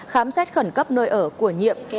khám xét khẩn cấp nơi ở của nhiệm